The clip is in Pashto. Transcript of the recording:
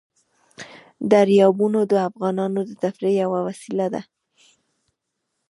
دریابونه د افغانانو د تفریح یوه وسیله ده.